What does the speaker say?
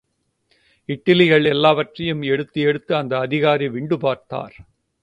இட்லிகள் எல்லாவற்றையும் எடுத்து எடுத்து அந்த அதிகாரி விண்டு பார்த்தார்.